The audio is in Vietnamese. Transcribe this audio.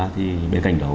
thì bên cạnh đó